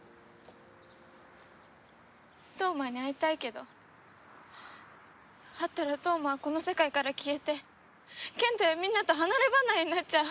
飛羽真に会いたいけど会ったら飛羽真はこの世界から消えて賢人やみんなと離ればなれになっちゃう！